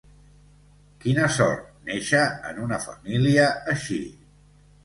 Quina sort, néixer en una família així.